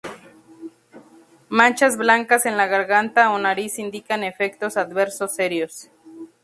Manchas blancas en la garganta o nariz indican efectos adversos serios.